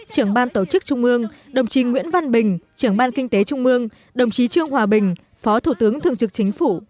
trưởng ban tổ chức trung ương đồng chí nguyễn văn bình trưởng ban kinh tế trung ương đồng chí trương hòa bình phó thủ tướng thường trực chính phủ